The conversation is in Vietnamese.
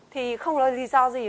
thì không nói lý do gì